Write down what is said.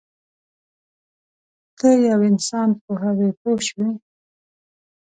ته یو انسان پوهوې پوه شوې!.